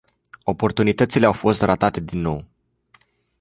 Oportunitățile au fost ratate din nou.